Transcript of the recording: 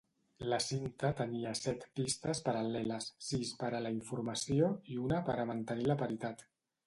La cinta tenia set pistes paral·leles, sis per a la informació i una per a mantenir la paritat.